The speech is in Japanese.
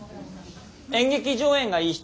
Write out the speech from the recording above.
「演劇上演」がいい人。